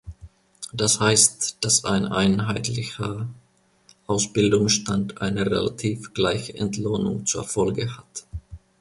Das heißt, dass ein einheitlicher Ausbildungsstand eine relativ gleiche Entlohnung zur Folge hat.